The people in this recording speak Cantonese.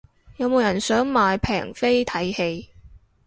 有冇人想買平飛睇戲